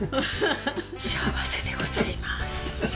幸せでございます。